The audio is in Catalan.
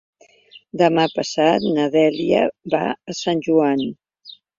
Demà passat na Dèlia va a Sant Joan.